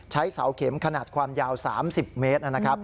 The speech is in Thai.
ใช้เสาเข็มขนาดความยาว๓๐เมตร